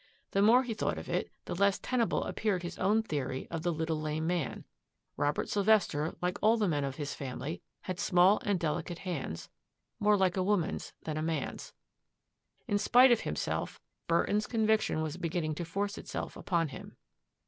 The more he thought of it, the less tenable appeared his own theory of the little lame man. Robert Sylvester, like all the men of his family, had small and delicate hands — more like a woman's than a man's. In spite of himself Burton's conviction was beginning to force itself upon him.